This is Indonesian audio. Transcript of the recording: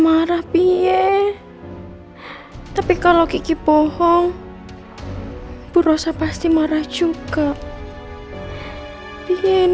apa ada sesuatu yang gak bisa aku jelasin